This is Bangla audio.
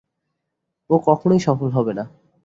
ও কখনোই সফল হবে না।